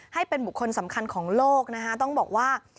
ให้เป็นบุคคลสำคัญของโลกนะคะต้องบอกว่า